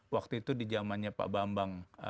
waktu itu di zamannya pak bambang